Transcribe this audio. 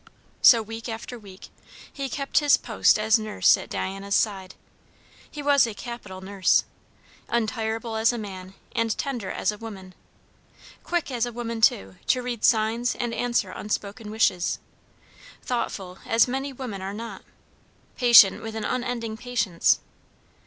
So, week after week, he kept his post as nurse at Diana's side. He was a capital nurse. Untireable as a man, and tender as a woman; quick as a woman, too, to read signs and answer unspoken wishes; thoughtful as many women are not; patient with an unending patience.